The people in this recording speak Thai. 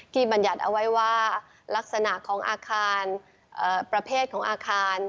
บรรยัติเอาไว้ว่าลักษณะของอาคารประเภทของอาคาร